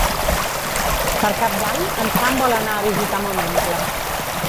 Per Cap d'Any en Sam vol anar a visitar mon oncle.